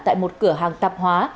tại một cửa hàng tạp hóa